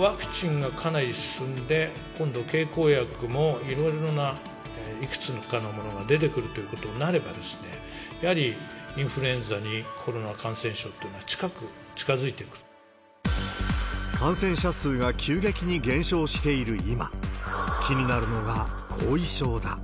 ワクチンがかなり進んで、今度、経口薬もいろいろないくつかのものが出てくるということになれば、やはりインフルエンザにコロナ感染症というのは、感染者数が急激に減少している今、気になるのが後遺症だ。